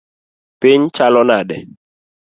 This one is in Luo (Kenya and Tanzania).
Piny chalo nade?